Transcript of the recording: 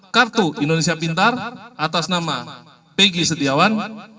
kartu indonesia pintar atas nama pegi siawat